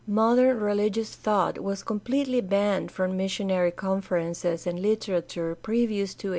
Modern religious thought was completely banned from missionary conferences and lit erature previous to 1888.